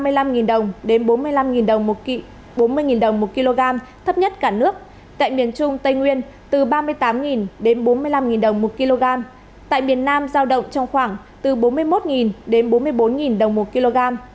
nắm bắt tình hình xuất nhập khẩu tại các cửa khẩu tại miền nam giao động trong khoảng từ bốn mươi một đến bốn mươi bốn đồng một kg